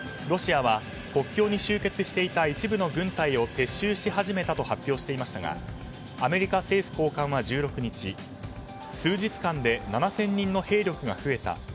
ロシアは国境に集結していた一部の軍隊を撤収し始めたと発表していましたがアメリカ政府高官は１６日数日間で７０００人の兵力が増えた。